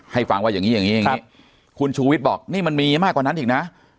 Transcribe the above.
ให้ฟังว่าอย่างนี้อย่างนี้คุณชูวิทย์บอกนี่มันมีมากกว่านั้นอีกนะ